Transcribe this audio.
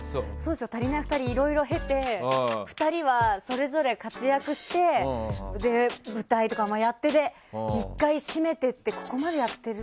「たりないふたり」はいろいろ経て２人はそれぞれで活躍して舞台とかやって１回閉めてここまでやってる。